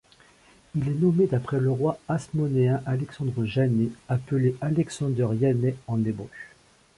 Il est nommé d'après le roi hasmonéen Alexandre Jannée, appelé Alexander Yanai en hébreu.